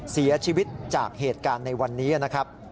เสียชีวิตจากเหตุการณ์ในวันนี้นะครับ